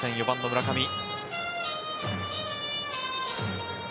４番の村上。